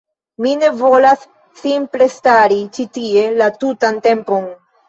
Mi ne volas simple stari ĉi tie la tutan tempon.